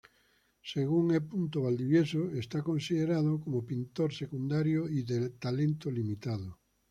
Según E. Valdivieso, es considerado como pintor secundario y de talento limitado.